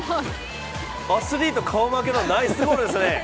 アスリート顔負けのナイスゴールですね